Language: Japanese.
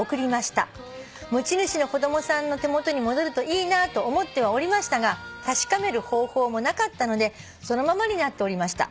「持ち主の子供さんの手元に戻るといいなと思ってはおりましたが確かめる方法もなかったのでそのままになっておりました。